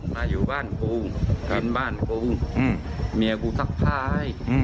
ถ้าอยู่บ้านกูทางบ้านกูอืมเมียกูซักผ้าให้อืม